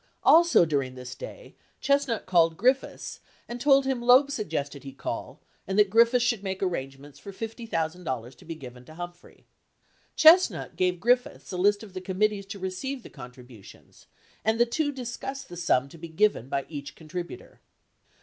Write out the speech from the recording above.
Also during this day Chestnut called Griffiths and told him that Loeb suggested he call and that Griffiths should make arrangements for $50,000 to be given to Humphrey. Chestnut gave Griffiths a list of the committees to receive the contribu tions and the two discussed the sum to be given by each contributor.